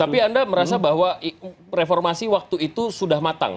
tapi anda merasa bahwa reformasi waktu itu sudah matang